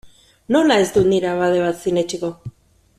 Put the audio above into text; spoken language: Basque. Nola ez dut nire abade bat sinetsiko?